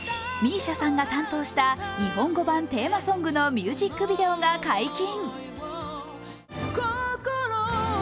ＭＩＳＩＡさんが担当した日本語版テーマソングのミュージックビデオが解禁。